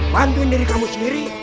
bantuin diri kamu sendiri